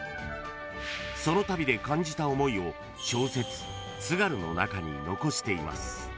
［その旅で感じた思いを小説『津軽』の中に残しています］